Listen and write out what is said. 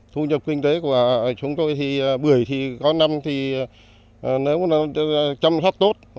thu nhập kinh tế của chúng tôi thì bưởi thì có năm thì nếu mà chăm sóc tốt